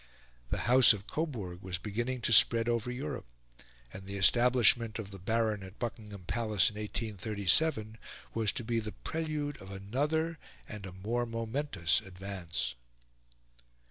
The House of Coburg was beginning to spread over Europe; and the establishment of the Baron at Buckingham Palace in 1837 was to be the prelude of another and a more momentous advance.